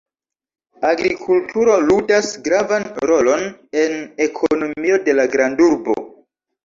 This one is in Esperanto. Agrikulturo ludas gravan rolon en ekonomio de la grandurbo.